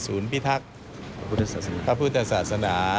พิทักษ์พระพุทธศาสนา